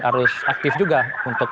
harus aktif juga untuk